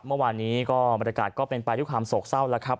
เมื่อวานนี้ก็บรรยากาศก็เป็นไปด้วยความโศกเศร้าแล้วครับ